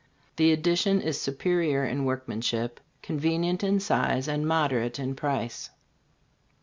The edition is superior in workmanship, convenient in size and moderate in price.